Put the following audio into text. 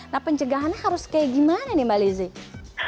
nah pencegahannya harus kayak gimana nih mbak lizzie